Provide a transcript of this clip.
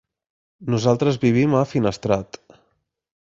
Nosaltres vivim a Finestrat.